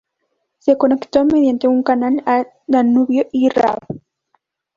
Se conectó mediante un canal al Danubio y al Raab.